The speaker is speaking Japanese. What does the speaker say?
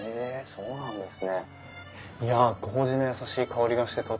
そうなんです。